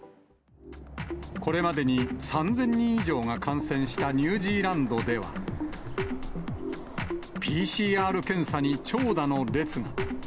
これまでに３０００人以上が感染したニュージーランドでは、ＰＣＲ検査に長蛇の列が。